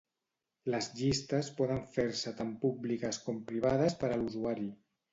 Les llistes poden fer-se tant públiques com privades per a l'usuari.